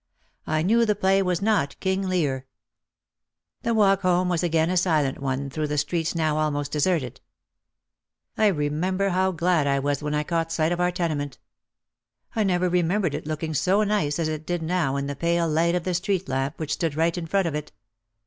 I knew the play was not King Lear. The walk home was again a silent one through the streets now almost deserted. I remember how glad OUT OF THE SHADOW 225 I was when I caught sight of our tenement. I never re membered it looking so nice as it did now in the pale light of the street lamp which stood right in front of it.